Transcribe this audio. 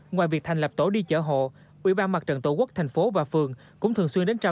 ngoài việc thành lập tổ đi chở hộ ubnd tp và phường cũng thường xuyên đến trao